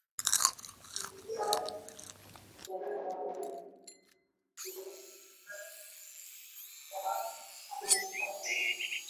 Alipenda kutumia watu aliowaamini yeye kuliko wale waliopikwa kufanya kazi